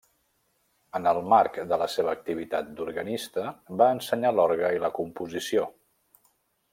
En el marc de la seva activitat d'organista, va ensenyar l'orgue i la composició.